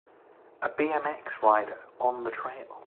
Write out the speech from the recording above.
A BMX rider on the trail.